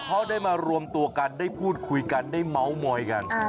เขาได้มารวมตัวกันได้พูดคุยกันได้เมาส์มอยกัน